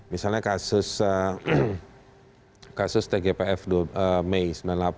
misalnya kasus tgpf mei seribu sembilan ratus delapan puluh